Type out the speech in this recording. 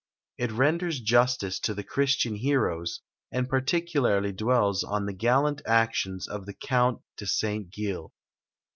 It renders justice to the Christian heroes, and particularly dwells on the gallant actions of the Count de St. Gilles.